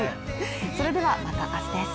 それでは、また明日です。